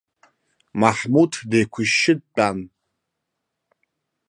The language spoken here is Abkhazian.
Маҳмуҭ деиқәышьшьы дтәан.